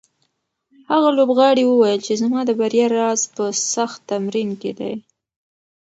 هغه لوبغاړی وویل چې زما د بریا راز په سخت تمرین کې دی.